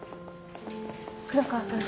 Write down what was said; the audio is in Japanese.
黒川くん